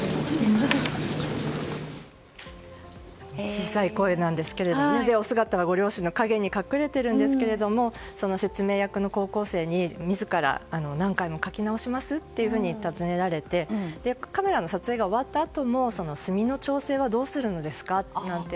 小さい声なんですがお姿は両親の陰に隠れているんですけれどもその説明役の高校生に自ら何回も書き直します？と尋ねられてカメラの撮影が終わったあとも墨の調整はどうするのですか？など